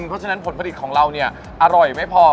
เพราะฉะนั้นผลผลิตของเราเนี่ยอร่อยไม่พอ